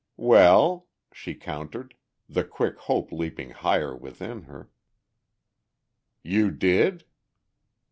"Well?" she countered, the quick hope leaping higher within her. "You did?"